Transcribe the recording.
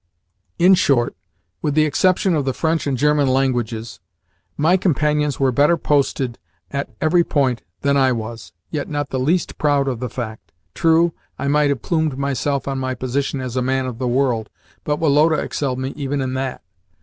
In short, with the exception of the French and German languages, my companions were better posted at every point than I was, yet not the least proud of the fact. True, I might have plumed myself on my position as a man of the world, but Woloda excelled me even in that.